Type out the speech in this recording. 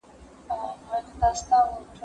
زه به اوږده موده د ښوونځی لپاره امادګي نيولی وم؟!